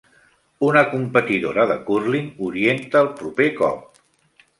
Una competidora de cúrling orienta el proper cop.